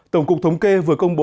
tổng cục thống kê vừa công bố